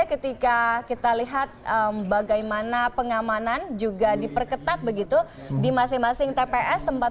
ketika kita lihat bagaimana pengamanan juga diperketat begitu di masing masing tps